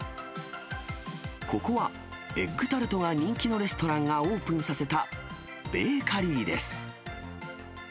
ここはエッグタルトが人気のレストランがオープンさせた、ベーカリーです。